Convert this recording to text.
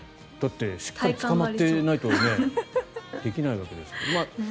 だってしっかりつかまってないとできないわけですから。